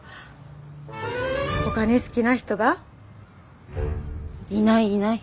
ほかに好きな人が？いないいない。